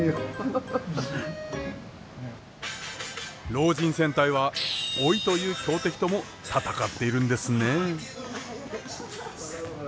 老人戦隊は老いという強敵とも戦っているんですね。